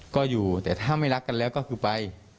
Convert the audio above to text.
ก็อยู่แต่ถ้าไม่รักกันแล้วก็คือไป